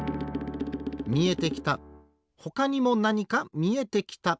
みえてきたほかにもなにかみえてきた。